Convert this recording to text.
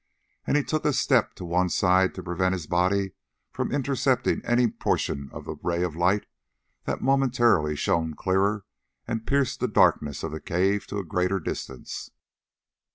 and he took a step to one side to prevent his body from intercepting any portion of the ray of light that momentarily shone clearer and pierced the darkness of the cave to a greater distance.